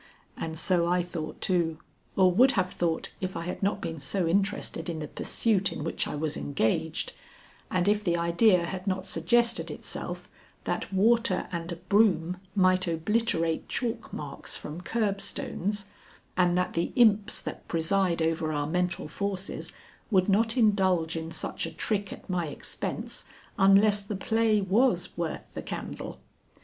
_ And so I thought too, or would have thought if I had not been so interested in the pursuit in which I was engaged, and if the idea had not suggested itself that water and a broom might obliterate chalk marks from curbstones, and that the imps that preside over our mental forces would not indulge in such a trick at my expense unless the play was worth the candle.